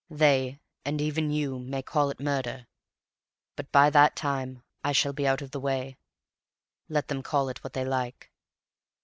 They, and even you, may call it murder, but by that time I shall be out of the way. Let them call it what they like.